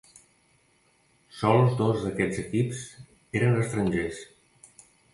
Sols dos d'aquests equips eren estrangers.